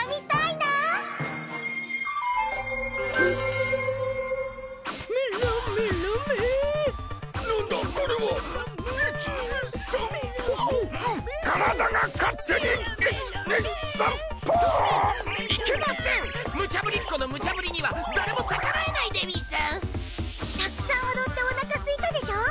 たくさん踊っておなかすいたでしょ？